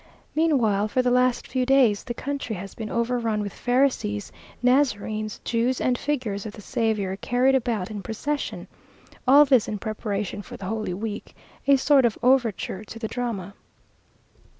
Meanwhile, for the last few days, the country has been overrun with Pharisees, Nazarenes, Jews, and figures of the Saviour, carried about in procession; all this in preparation for the holy week, a sort of overture to the drama.